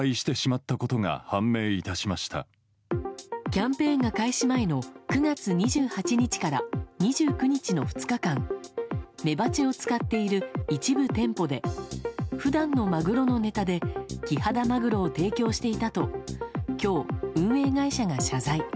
キャンペーンが開始前の９月２８日から２９日の２日間メバチを使っている一部店舗で普段のまぐろのネタでキハダマグロを提供していたと今日、運営会社が謝罪。